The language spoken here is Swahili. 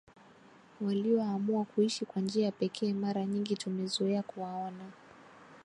walioamua kuishi kwa njia ya pekee Mara nyingi tumezoea kuwaona